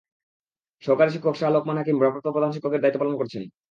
সহকারী শিক্ষক শাহ লোকমান হাকিম ভারপ্রাপ্ত প্রধান শিক্ষকের দায়িত্ব পালন করছেন।